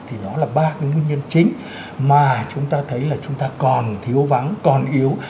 thì nó là ba cái nguyên nhân chính mà chúng ta thấy là chúng ta còn thiếu vắng còn yếu